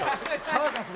サーカス。